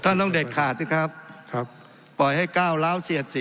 ทั้งสองกรณีผลเอกประยุทธ์